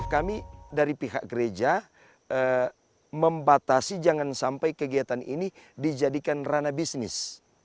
kami dari pihak gereja membatasi jangan sampai kegiatan ini dijadikan ranah bisnis